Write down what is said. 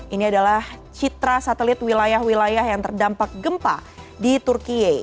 ini adalah citra satelit wilayah wilayah yang terdampak gempa di turkiye